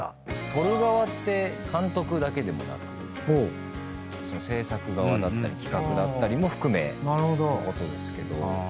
撮る側って監督だけでもなく制作側だったり企画だったりも含めってことですけど。